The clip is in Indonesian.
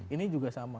ini juga sama